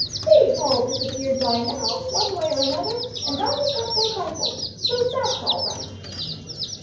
They've all disappeared by now, one way or another; and I've got their rifles. So that's all right!"